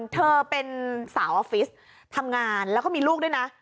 เธอเป็นสาวออฟฟิศทำงานแล้วก็มีลูกด้วยนะ